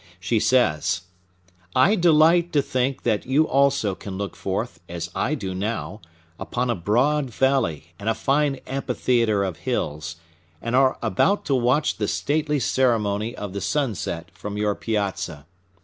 She says: "I delight to think that you also can look forth, as I do now, upon a broad valley and a fine amphitheater of hills, and are about to watch the stately ceremony of the sunset from your piazza.